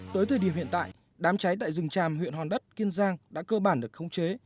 tới thời điểm hiện tại đám cháy tại rừng tràm huyện hòn đất kiên giang đã cơ bản được khống chế